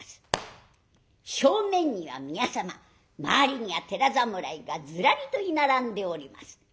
正面には宮様周りには寺侍がずらりと居並んでおります。